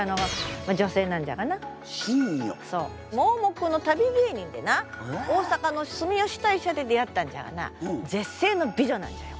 盲目の旅芸人でな大阪の住吉大社で出会ったんじゃがな絶世の美女なんじゃよ